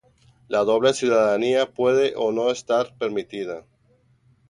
La doble ciudadanía puede o no estar permitida.